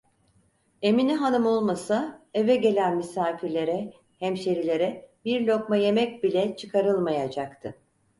Emine hanım olmasa eve gelen misafirlere, hemşerilere bir lokma yemek bile çıkarılmayacaktı.